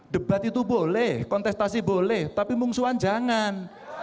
debat itu boleh kontestasi boleh tapi mungsuan jangan